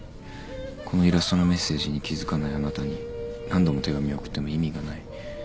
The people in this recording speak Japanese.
このイラストのメッセージに気付かないあなたに何度も手紙を送っても意味がない。